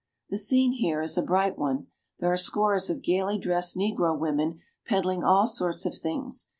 The scene here is a bright one. There are scores of gayly dressed negro women peddling all sorts of things.